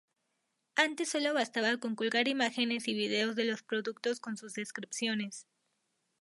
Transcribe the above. Antes sólo bastaba con colgar imágenes y vídeos de los productos con sus descripciones.